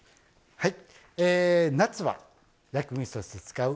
はい。